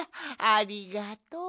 ありがとう。